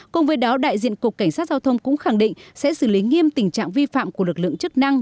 cùng với đó đại diện cục cảnh sát giao thông cũng khẳng định sẽ xử lý nghiêm tình trạng vi phạm của lực lượng chức năng